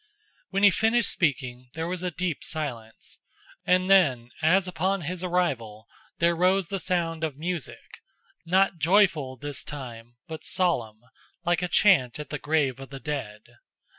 When he finished speaking there was a deep silence, and then, as upon his arrival, there rose the sound of music not joyful this time, but solemn, like a chant at the grave of the dead.